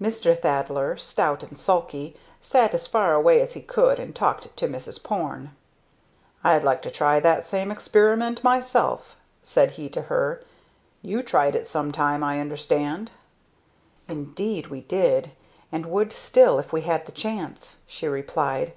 Mr. Thaddler, stout and sulky, sat as far away as he could and talked to Mrs. Porne. "I'd like to try that same experiment myself," said he to her. "You tried it some time, I understand?" "Indeed we did and would still if we had the chance," she replied.